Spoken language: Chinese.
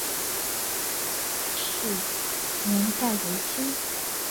三平寺塔殿的历史年代为清。